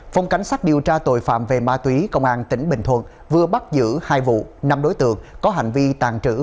phòng cảnh sát điều tra tội phạm về ma túy công an tỉnh bình thuận vừa bắt giữ hai vụ năm đối tượng có hành vi tàn trữ